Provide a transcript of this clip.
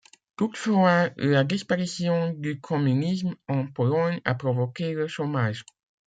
Toutefois, la disparition du communisme en Pologne a provoqué le chômage.